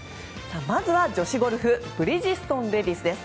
まずは女子ゴルフブリヂストンレディスです。